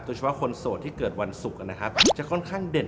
เฉพาะคนโสดที่เกิดวันศุกร์นะครับจะค่อนข้างเด่น